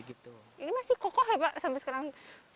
ini masih kokoh ya pak sampai sekarang